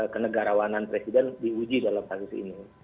kenegarawanan presiden di uji dalam proses ini